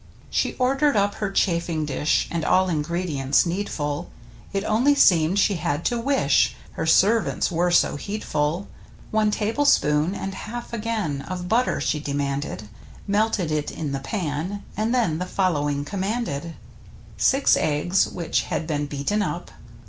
She ordered up her chafing dish, And all ingredients needful. It only seemed she had to wish. Her servants were so heedful! One tablespoon, and half again. Of butter, she demanded, Melted it in the pan, and then The following commanded: n^T ^—^^ Six eggs, which had been beaten up.